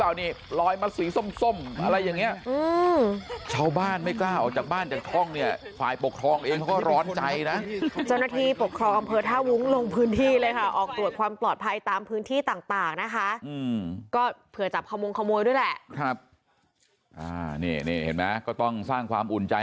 กลัวกระสือเยอะมากเนี่ยข้าวของหายนี่ยุ่งนะฮะ